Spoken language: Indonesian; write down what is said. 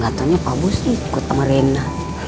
gatohnya paus ikut sama rena